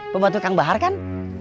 pembantu kang bahar kan